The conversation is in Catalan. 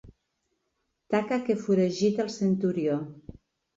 Taca que foragita el centurió.